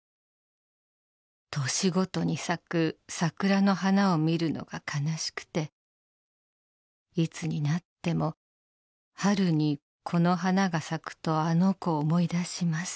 年ごとに咲く桜の花を見るのが悲しくて、いつになっても、春にこの花が咲くと、あの子を思い出します。